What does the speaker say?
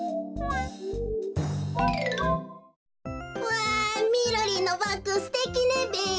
わあみろりんのバッグすてきねべ。